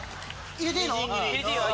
入れていいの？